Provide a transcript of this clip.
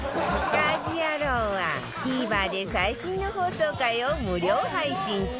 『家事ヤロウ！！！』は ＴＶｅｒ で最新の放送回を無料配信中